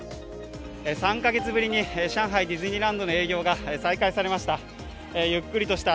３カ月ぶりに上海ディズニーランドの営業が再開されました。